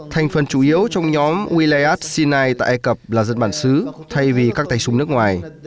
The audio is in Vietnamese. thành phần chủ yếu trong nhóm uleat sinai tại ai cập là dân bản xứ thay vì các tay súng nước ngoài